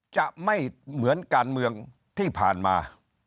จะไม่เหมือนการเมืองที่ผ่านมา